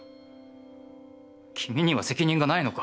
君には責任がないのか」。